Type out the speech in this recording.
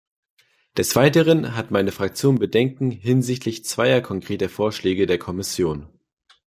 Des Weiteren hat meine Fraktion Bedenken hinsichtlich zweier konkreter Vorschläge der Kommission.